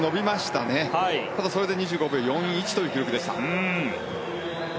ただ、それで２５秒４１という記録でした。